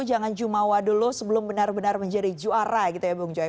jangan jumawa dulu sebelum benar benar menjadi juara gitu ya bung joy